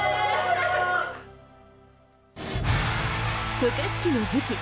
渡嘉敷の武器。